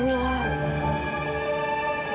kamu bisa berbicara sama aku